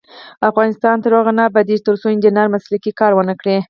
افغانستان تر هغو نه ابادیږي، ترڅو انجنیران مسلکي کار ونکړي.